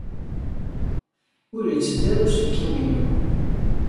Ur la yetteddu ara uselkim-inu.